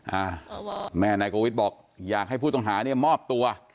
อ้าแม่แนกโอวิสบอกอยากให้ผู้ต่องหาเนี่ยมอบตัว